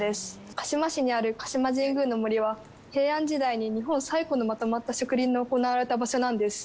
鹿嶋市にある鹿島神宮の杜は平安時代に日本最古のまとまった植林の行われた場所なんです。